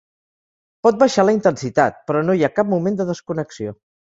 Pot baixar la intensitat, però no hi ha cap moment de desconnexió.